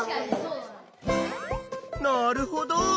なるほど！